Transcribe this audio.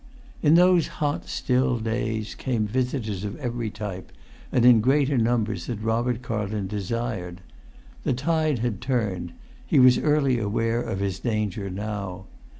In those hot still days came visitors of every type, and in greater numbers than Robert Carlton desired. The tide had turned; he was early aware of his danger now.